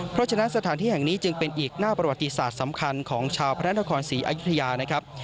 เพราะฉะนั้นสถานที่แห่งนี้จึงเป็นอีกหน้าประวัติศาสตร์สำคัญของชาวพระนครศรีอยุธยานะครับ